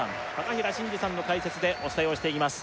平慎士さんの解説でお伝えをしていきます